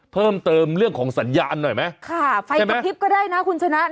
เพิ่มเติมเรื่องของสัญญาณหน่อยไหมค่ะไฟกระพริบก็ได้นะคุณชนะ